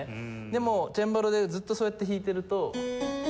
でもチェンバロでずっとそうやって弾いていると。